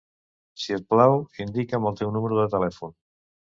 Si et plau, indica'm el teu número de telèfon.